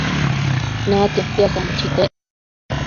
Natia piasanchitec